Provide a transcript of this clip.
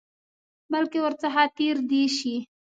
بلکې ورڅخه تېر دي شي.